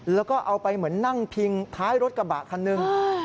แล้วก็เอาไปเหมือนนั่งพิงท้ายรถกระบะคันหนึ่ง